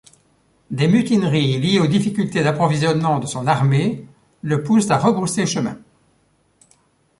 Des mutineries liées aux difficultés d'approvisionnement de son armée le poussent à rebrousser chemin.